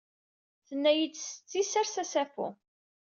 Tenna-id setti, ssers assafu.